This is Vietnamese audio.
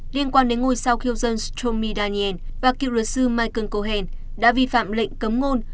liên quan đến ngôi sao khiêu dâm stomy daniel và cựu luật sư michael cohen đã vi phạm lệnh cấm ngôn